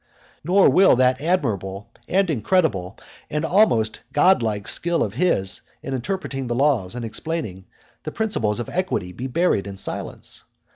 Nor will that admirable, and incredible, and almost godlike skill of his in interpreting the laws and explaining the principles of equity be buried in silence.